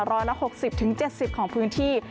ร้อยละ๖๐๗๐ของพื้นที่